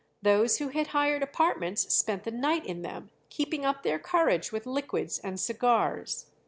Those who had hired apartments spent the night in them, keeping up their courage with liquids and cigars.